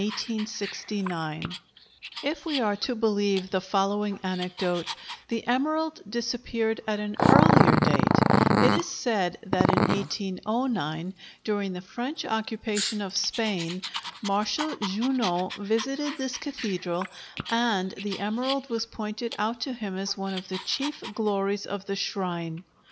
If we are to believe the following anecdote, the emerald disappeared at an earlier date: It is said that in 1809, during the French occupation of Spain, Marshal Junot visited this cathedral, and the emerald was pointed out to him as one of the chief glories of the shrine.